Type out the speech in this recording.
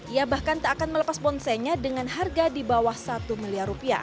ia bahkan tak akan melepas bonsainya dengan harga di bawah rp satu miliar rupiah